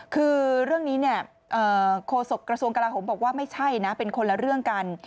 คือเรื่องนี้เนี่ยโฆษกระทรวงกลาโหมบอกว่าไม่ใช่นะเป็นคนละเรื่องกัน